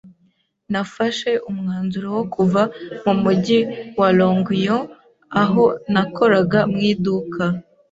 nafashe umwanzuro wo kuva mu mujyi wa Longuyon, aho nakoraga mu iduka.